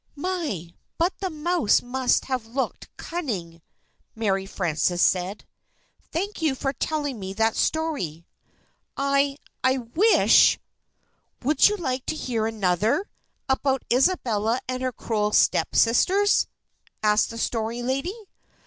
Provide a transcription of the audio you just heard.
"My, but the mouse must have looked cunning!" Mary Frances said. "Thank you for telling me that story. I I wish " "Would you like to hear another about Isabella and her cruel stepsisters?" asked the Story Lady.